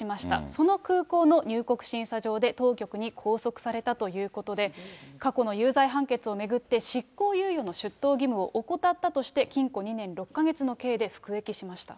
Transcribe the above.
その空港の入国審査場で、当局に拘束されたということで、過去の有罪判決を巡って、執行猶予の出頭義務を怠ったとして、禁錮２年６か月の刑で服役しました。